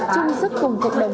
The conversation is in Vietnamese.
trung sức cộng cộng đồng